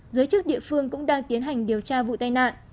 giới chức địa phương cũng đang tiến hành điều tra vụ tai nạn